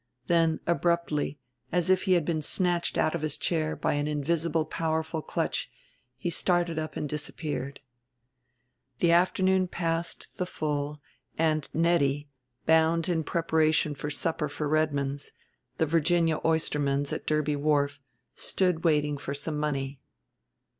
Then, abruptly, as if he had been snatched out of his chair by an invisible powerful clutch, he started up and disappeared. The afternoon passed the full and Nettie, bound in preparation for supper for Redmond's, the Virginia Oysterman's at Derby Wharf, stood waiting for some money.